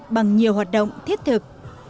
bằng nhiều hoạt động thiết thực